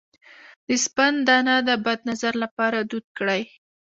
د سپند دانه د بد نظر لپاره دود کړئ